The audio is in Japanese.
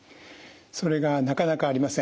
それがなかなかありません。